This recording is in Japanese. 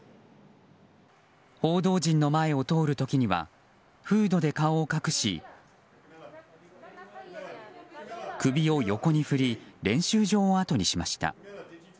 報道陣の前を通る時にはフードで顔を隠し首を横に振り練習場を後にしました。